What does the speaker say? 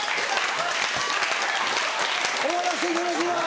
終わらしていただきます。